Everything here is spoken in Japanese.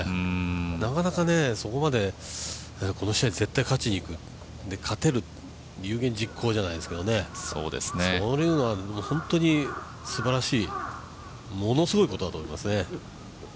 なかなかそこまで、この試合絶対勝ちにいく、勝てる、有言実行じゃないですけど、そういうのは本当にすばらしいものすごいことだと思いますね。